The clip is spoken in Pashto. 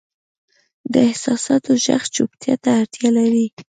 د احساساتو ږغ چوپتیا ته اړتیا لري.